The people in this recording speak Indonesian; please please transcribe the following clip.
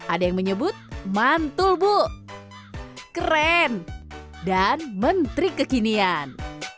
ada yang menyebut mantul bu keren dan menteri kekinian